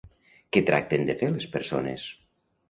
Què tracten de fer les persones?